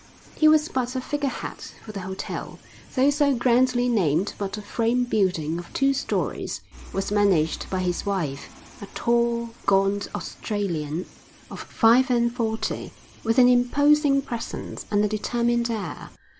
He was but a figurehead, for the hotel, though so grandly named but a frame building of two storeys, was managed by his wife, a tall, gaunt Australian of five and forty, with an imposing presence and a determined air.